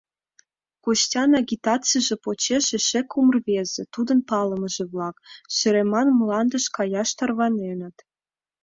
Костян агитацийже почеш эше кум рвезе, тудын палымыже-влак, сӧреман мландыш каяш тарваненыт.